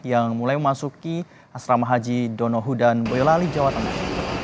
yang mulai memasuki asrama haji donohu dan boyolali jawa tengah